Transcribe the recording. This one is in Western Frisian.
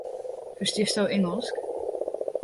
Ferstiesto Ingelsk?